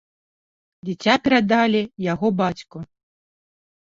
Дзіця перадалі яго бацьку.